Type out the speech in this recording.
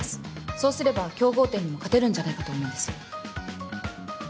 そうすれば競合店にも勝てるんじゃないかと思うんです。